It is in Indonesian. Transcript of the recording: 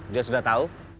dia sudah tahu